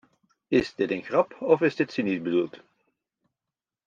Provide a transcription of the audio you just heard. Is dit een grap of is het cynisch bedoeld?